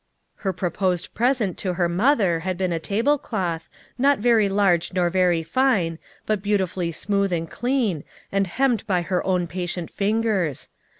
Her proposed present to her mother had been a tablecloth, not very large nor very fine, but beautifully smooth and clean, and hemmed by her own patient fin gers.